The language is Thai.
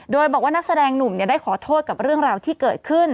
โดยบอกว่านักแสดงหนุ่มได้ขอโทษกับเรื่องราวที่เกิดขึ้น